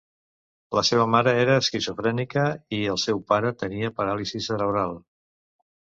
La seva mare era esquizofrènica i el seu pare tenia paràlisi cerebral.